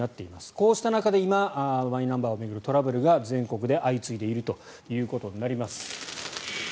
こうした中で今マイナンバーを巡るトラブルが全国で相次いでいるということになります。